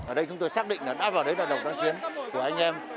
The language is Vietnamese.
ở đây chúng tôi xác định là đã vào đấy là đồng phát triển của anh em